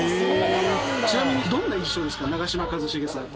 ちなみにどんな印象ですか、長嶋一茂さんって。